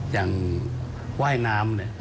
อย่างว่ายน้ำเนี่ย